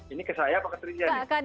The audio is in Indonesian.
ini ke saya apa ke trinja